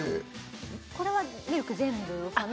これはミルク全部かな？